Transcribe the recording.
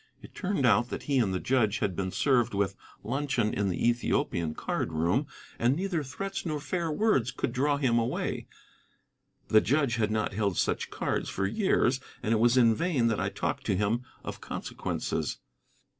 It turned out that he and the judge had been served with luncheon in the Ethiopian card room, and neither threats nor fair words could draw him away. The judge had not held such cards for years, and it was in vain that I talked to him of consequences.